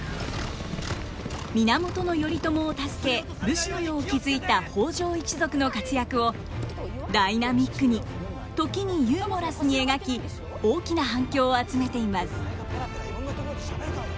源頼朝を助け武士の世を築いた北条一族の活躍をダイナミックに時にユーモラスに描き大きな反響を集めています。